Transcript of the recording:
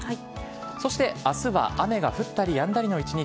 そして明日は雨が降ったりやんだりの一日。